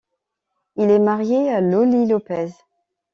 Il est marié à Loli Lopez.